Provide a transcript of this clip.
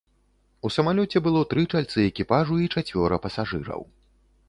У самалёце было тры чальцы экіпажу і чацвёра пасажыраў.